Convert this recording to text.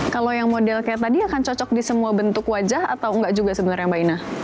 kalau yang model kayak tadi akan cocok di semua bentuk wajah atau enggak juga sebenarnya mbak ina